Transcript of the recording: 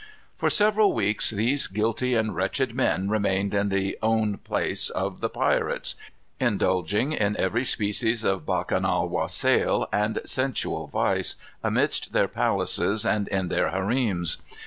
For several weeks these guilty and wretched men remained in the "own place" of the pirates, indulging in every species of bacchanal wassail and sensual vice, amidst their palaces and in their harems.